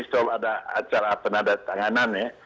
soal ada acara penadatanganan ya